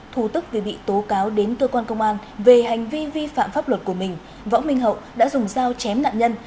thù tức vì bị tố cáo đến cơ quan công an về hành vi vi phạm pháp luật của mình võ minh hậu đã dùng dao chém nạn nhân